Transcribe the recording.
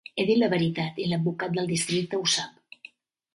He dit la veritat i l'advocat del districte ho sap.